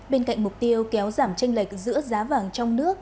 bên cạnh mục tiêu kéo giảm tranh lệch giữa giá vàng trong nước